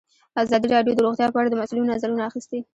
ازادي راډیو د روغتیا په اړه د مسؤلینو نظرونه اخیستي.